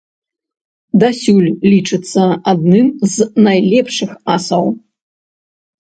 Дасюль лічыцца адным з найлепшых асаў.